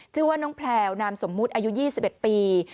ชื่อว่าน้องแพลวนามสมมุติอายุ๒๑ปี